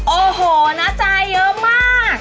โอ้โหนะใจเยอะมาก